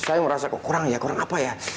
saya merasa kurang ya kurang apa ya